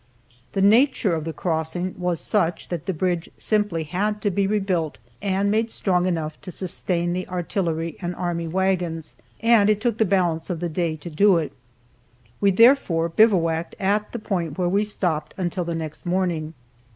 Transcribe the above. The nature of the crossing was such that the bridge simply had to be rebuilt, and made strong enough to sustain the artillery and army wagons, and it took the balance of the day to do it. We therefore bivouacked at the point where we stopped until the next morning.